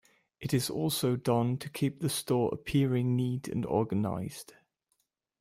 It is also done to keep the store appearing neat and organized.